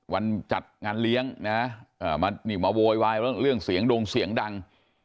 จัดงานเลี้ยงนะมานี่มาโวยวายเรื่องเสียงดงเสียงดัง